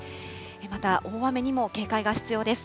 また、大雨にも警戒が必要です。